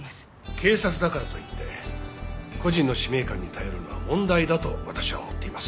警察だからといって個人の使命感に頼るのは問題だと私は思っています。